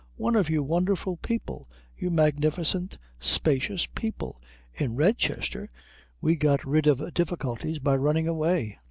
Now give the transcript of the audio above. "One of you wonderful people you magnificent, spacious people. In Redchester we got rid of difficulties by running away.